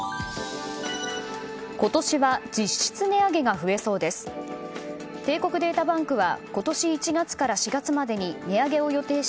今年は実質値上げが増えそうです。